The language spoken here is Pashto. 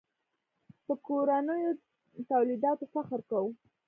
په کورنیو تولیداتو فخر کوو.